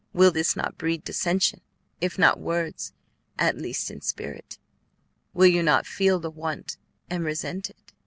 Will this not breed dissension, if not in words, at least in spirit? Will you not feel the want and resent it?"